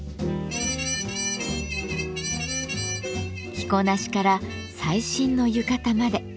着こなしから最新の浴衣まで。